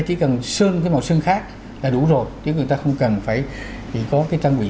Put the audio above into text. chỉ cần sơn cái màu sơn khác là đủ rồi chứ người ta không cần phải có cái trang bị